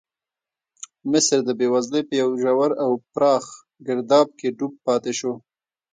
مصر د بېوزلۍ په یو ژور او پراخ ګرداب کې ډوب پاتې شو.